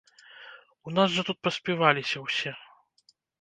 У нас жа тут паспіваліся ўсе.